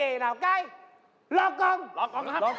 มีที่จะบอกว่าได้ไหม